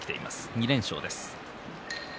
２連勝です。